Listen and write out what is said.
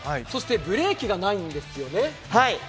そしてブレーキがないんですよね。